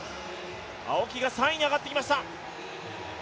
青木が３位に上がってきました。